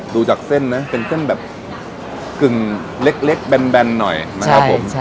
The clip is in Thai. ดูจากเส้นนะเป็นเส้นแบบกึ่งเล็กแบนหน่อยนะครับผม